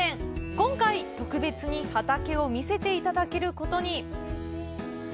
今回、特別に畑を見せていただけることに。